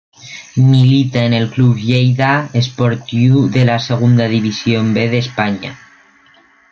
Milita en el Club Lleida Esportiu de la Segunda División B de España.